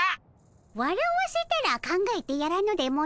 わらわせたら考えてやらぬでもない。